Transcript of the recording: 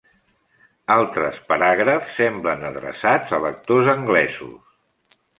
Altres paràgrafs semblen adreçats a lectors anglesos.